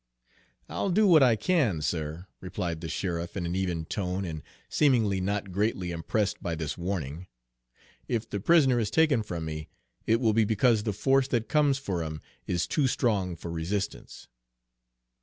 "I'll do what I can, sir," replied the sheriff in an even tone and seemingly not greatly impressed by this warning. "If the prisoner is taken from me, it will be because the force that comes for him is too strong for resistance."